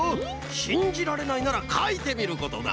しんじられないならかいてみることだ。